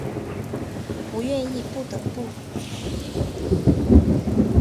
不愿意不得不